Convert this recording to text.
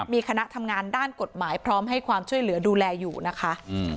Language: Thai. มีคณะทำงานด้านกฎหมายพร้อมให้ความช่วยเหลือดูแลอยู่นะคะ